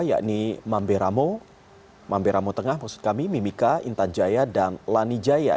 yakni mamberamo mamberamo tengah maksud kami mimika intan jaya dan lani jaya